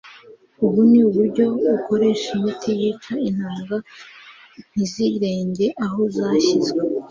ubu ni uburyo bukoresha imiti yica intanga ntizirenge aho zashyizwe